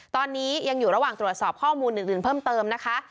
ตอนนี้ยังอยู่ระหว่างตรวจสอบข้อมูลอื่นเพิ่มเติมนะคะ